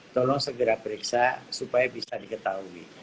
tolong segera periksa supaya bisa diketahui